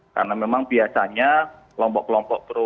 karena memang biasanya kelompok kelompok pro isis seperti ini